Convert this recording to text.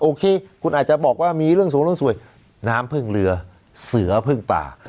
โอเคคุณอาจจะบอกว่ามีเรื่องสูงเรื่องสวยน้ำพึ่งเรือเสือพึ่งป่า